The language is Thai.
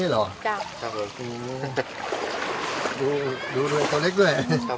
อืมดูด้วยเทาเล็กด้วย